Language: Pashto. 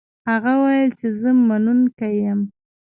هغه وویل چې زه منونکی یم.